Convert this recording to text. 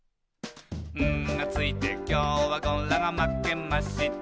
「『ん』がついてきょうはゴラがまけました」